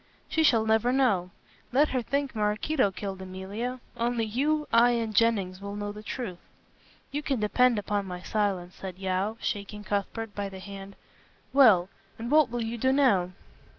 "She shall never know. Let her think Maraquito killed Emilia. Only you, I and Jennings will know the truth." "You can depend upon my silence," said Yeo, shaking Cuthbert by the hand; "well, and what will you do now?"